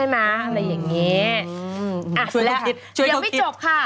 เมอดิชอบ